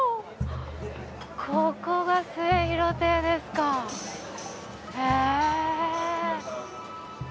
ここが『末廣亭』ですかへ。